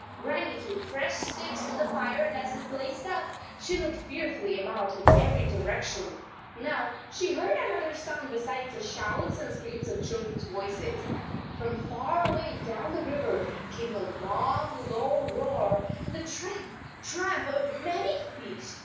Gran nie threw fresh sticks on the fire, and as it blazed up, she looked fearfully about in every direction. Now she heard another sound besides the shouts and screams of children s voices. From far away down the river came a long low roar and the tramp, tramp of many feet.